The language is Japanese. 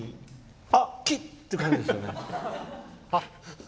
あっ、き！っていう感じですよね。